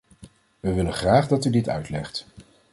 We willen graag dat u dit uitlegt.